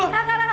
tak tak tak